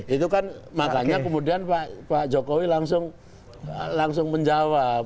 itu kan makanya kemudian pak jokowi langsung menjawab